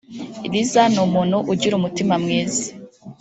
Liza ni umuntu ugira umutima mwiza